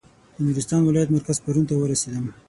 د نورستان ولایت مرکز پارون ته ورسېدم.